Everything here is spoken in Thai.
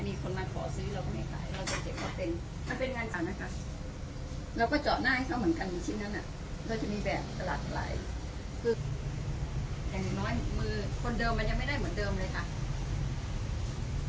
มีคนมาขอซื้อเราก็ไม่ขายเราจะเก็บเขาเป็น